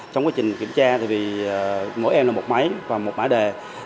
trong quá trình kiểm tra thì mỗi em là một máy và một mã đề